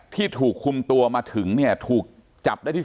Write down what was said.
ที่ถูกคุมตัวมาถึงเนี่ยถูกจับได้ที่